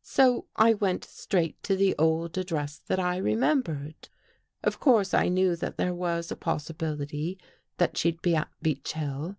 So I went straight to the old address that I remembered. ! Of course I knew that there was a possibility that i she'd be at Beech Hill.